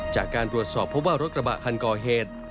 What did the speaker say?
จากการตรวจสอบพบว่ารถกระบะคันก่อเหตุ